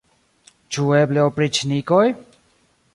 Ĉu eble opriĉnikoj?